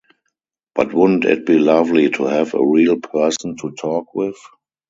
But wouldn't it be lovely to have a real person to talk with?